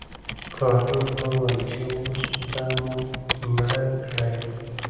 ګارلوک وویل چې اوس به مو مړه کړئ.